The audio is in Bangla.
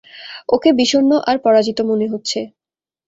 ওকে বিষণ্ণ আর পরাজিত মনে হচ্ছে।